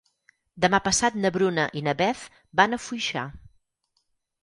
Demà passat na Bruna i na Beth van a Foixà.